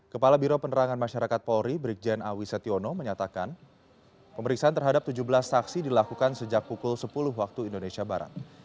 kepala biro penerangan masyarakat polri brigjen awisetiono menyatakan pemeriksaan terhadap tujuh belas saksi dilakukan sejak pukul sepuluh waktu indonesia barat